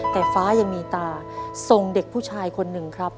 แต่ฟ้ายังมีตาส่งเด็กผู้ชายคนหนึ่งครับ